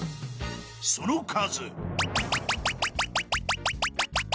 ［その数］